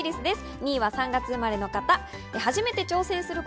２位は３月生まれの方。